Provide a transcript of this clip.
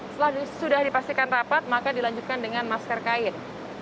setelah sudah dipastikan rapat maka dilanjutkan dengan masker kain